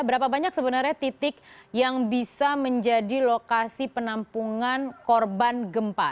berapa banyak sebenarnya titik yang bisa menjadi lokasi penampungan korban gempa